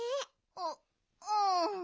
ううん。